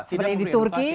seperti di turki ya